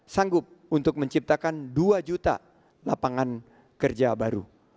sanggup untuk menciptakan dua juta lapangan kerja baru